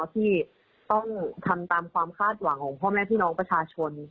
ที่ต้องทำตามความคาดหวังของพ่อแม่พี่น้องประชาชน